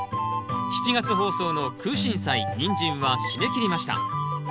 ７月放送の「クウシンサイ」「ニンジン」は締め切りました。